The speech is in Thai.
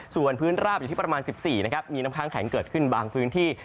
ส่วนพื้นราบอยู่ที่ประมาณ๑๔นะครับมีน้ำค้างแข็งเกิดขึ้นบางพื้นที่